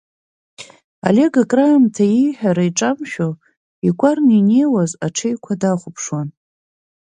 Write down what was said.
Олег акраамҭа ииҳәра иҿамшәо икәарны инеиуаз аҽеиқәа дахәаԥшуан.